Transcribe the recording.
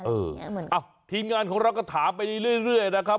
ทีมงานของเราก็ถามไปเรื่อยนะครับ